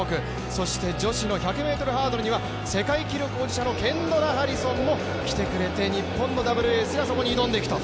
そして女子の１００ｍハードルには世界記録保持者のケンドラ・ハリソンも来てくれて日本のダブルエースがそこに挑んでいくと。